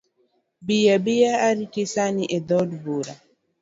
Bi abia ariti sani e dhood bura.